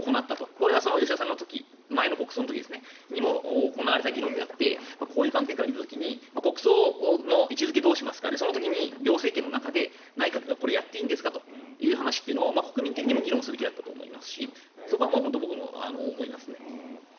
これは吉田さんの時前の国葬の時にも行われた議論であってこういう観点から見た時に国葬の位置付けをどうしますかその時に行政権の中で内閣がこれをやっていいんですかという話を国民的にも議論するべきだったと思いますし僕はそこを本当に思います。